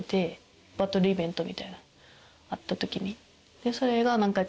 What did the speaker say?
バトルイベントみたいなあった時に。